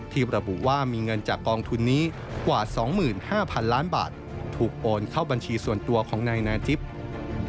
ระบุว่ามีเงินจากกองทุนนี้กว่า๒๕๐๐๐ล้านบาทถูกโอนเข้าบัญชีส่วนตัวของนายนาทิพย์